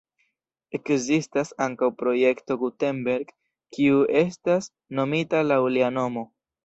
Ekzistas ankaŭ Projekto Gutenberg, kiu estas nomita laŭ lia nomo.